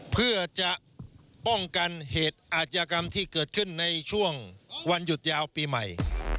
เพื่อจะป้องกันเหตุอาชญากรรมที่เกิดขึ้นในช่วงวันหยุดยาวปีใหม่